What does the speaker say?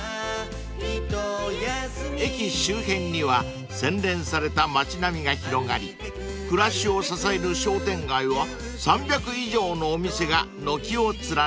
［駅周辺には洗練された街並みが広がり暮らしを支える商店街は３００以上のお店が軒を連ねます］